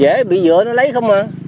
dễ bị dựa nó lấy không à